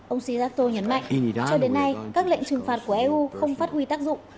ông shizatto nhấn mạnh cho đến nay các lệnh trừng phạt của eu không phát huy tác dụng